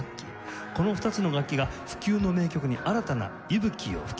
この２つの楽器が不朽の名曲に新たな息吹を吹き込んでいきます。